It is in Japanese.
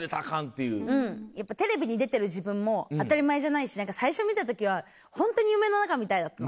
やっぱテレビに出てる自分も当たり前じゃないし最初見た時はホントに夢の中みたいだったの。